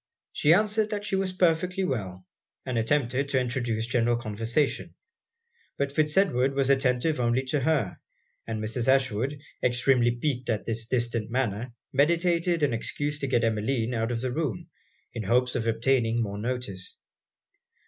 She answered that she was perfectly well; and attempted to introduce general conversation. But Fitz Edward was attentive only to her; and Mrs. Ashwood, extremely piqued at his distant manner, meditated an excuse to get Emmeline out of the room, in hopes of obtaining more notice.